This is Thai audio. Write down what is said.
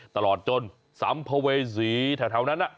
ตลอดจนสัมภเวษีแถวนั้น